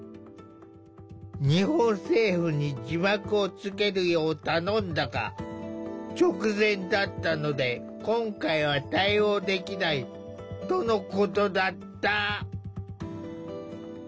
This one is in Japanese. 日本政府に字幕をつけるよう頼んだが「直前だったので今回は対応できない」とのことだった。